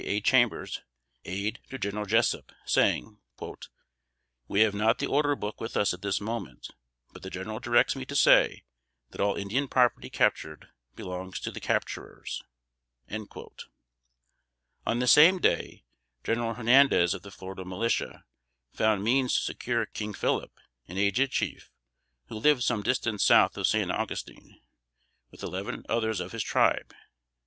A. Chambers, aid to General Jessup, saying, "We have not the order book with us at this moment; but the General directs me to say, that all Indian property captured belongs to the capturers." On the same day, General Hernandez of the Florida militia, found means to secure King Phillip, an aged chief, who lived some distance south of San Augustine, with eleven others of his tribe.